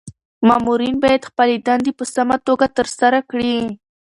مامورین باید خپلي دندي په سمه توګه ترسره کړي.